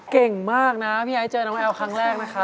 เก่งมากนะพี่ไอ้เจอน้องแอลครั้งแรกนะคะ